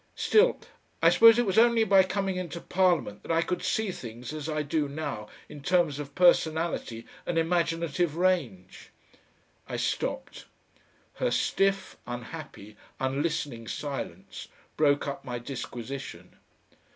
Still I suppose it was only by coming into Parliament that I could see things as I do now in terms of personality and imaginative range...." I stopped. Her stiff, unhappy, unlistening silence broke up my disquisition.